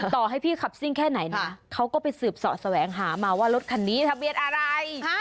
ต่อให้พี่ขับซิ่งแค่ไหนนะเขาก็ไปสืบเสาะแสวงหามาว่ารถคันนี้ทะเบียนอะไร